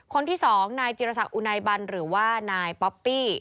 คนที่สางนายจีรษัตริย์อุไนบัรลหรือว่านายป๊อปปี้